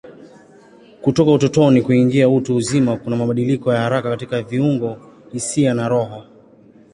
Kutoka utotoni kuingia utu uzima kuna mabadiliko ya haraka katika viungo, hisia na roho.